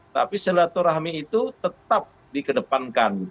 tapi silaturahmi itu tetap di kedepankan